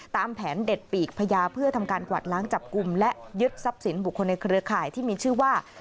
ตามแผนเด็ดปีกพญาเพื่อทำการกวาดล้างจับกลุ่มและยึดทรัพย์สินบุคคลในเครือข่ายที่มีชื่อว่า